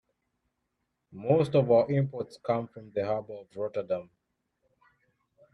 Most of our imports come from the harbor of Rotterdam.